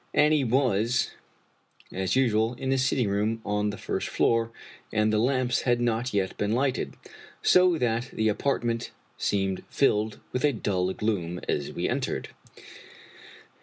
Annie was, as usual, in the sitting room on the first floor, and the lamps had not yet been lighted, so that the apartment seemed filled with a dull gloom as we entered.